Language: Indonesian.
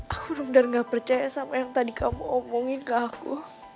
aku benar benar gak percaya sama yang tadi kamu omongin ke aku